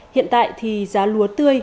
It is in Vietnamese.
hiện tại thì giá lúa tươi